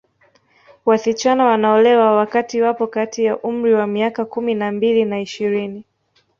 Wasichana wanaolewa wakati wapo kati ya umri wa miaka kumi na mbili na ishirini